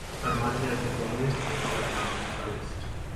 তার মা ছিলেন একজন কম্যুনিস্ট এবং বাবা ছিলেন সোশ্যালিস্ট।